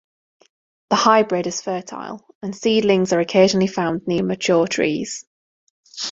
The hybrid is fertile, and seedlings are occasionally found near mature trees.